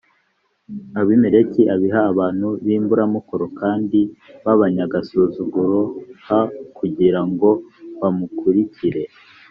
abimeleki abiha abantu b imburamukoro kandi b abanyagasuzuguro h kugira ngo bamukurikire